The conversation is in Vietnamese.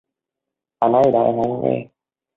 Ai nói gì đâu Em không có nghe